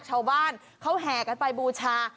ชาวบ้านเขาแห่กันไปบูชา